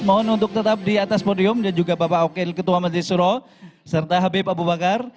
mohon untuk tetap di atas podium dan juga bapak okel ketua majelis suro serta habib abu bakar